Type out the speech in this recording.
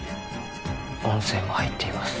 音声も入っています